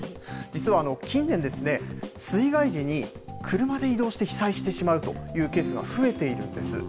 実は近年、水害時に車で移動して被災してしまうというケースが増えているんです。